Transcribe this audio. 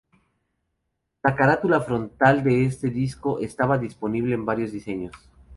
La carátula frontal de este disco estaba disponible en varios diseños.